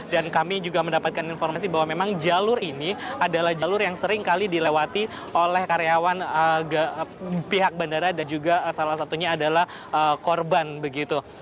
dan kami juga mendapatkan informasi bahwa memang jalur ini adalah jalur yang seringkali dilewati oleh karyawan pihak bandara dan juga salah satunya adalah korban begitu